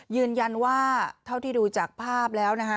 ยืนยันว่าเท่าที่ดูจากภาพแล้วนะคะ